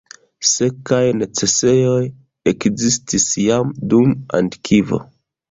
Sekaj necesejoj ekzistis jam dum antikvo.